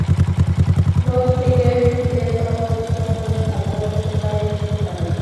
রোদ থেকে ফিরে ত্বক পরিষ্কার করে হালকা লোশন লাগিয়ে নিতে পারেন।